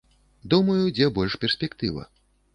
Думаю, дзе больш перспектыва.